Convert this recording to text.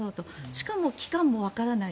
しかも期間もわからない。